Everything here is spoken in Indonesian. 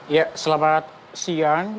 ya selamat siang